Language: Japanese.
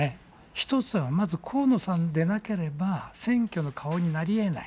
一つはまず河野さんでなければ選挙の顔になりえない。